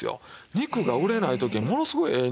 肉が売れない時ものすごいええ